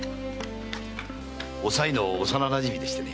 おさいの幼なじみでしてね